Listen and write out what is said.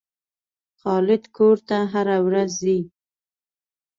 خالد کور ته هره ورځ ځي.